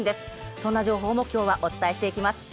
そんな情報も今日はお伝えしていきます。